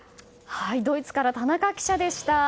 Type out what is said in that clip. ドイツから田中記者でした。